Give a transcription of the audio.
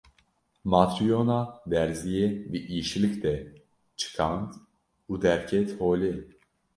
Matryona derziyê di îşlik de çikand û derket holê.